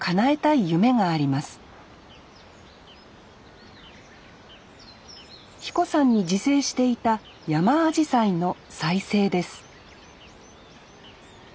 英彦山に自生していたヤマアジサイの再生です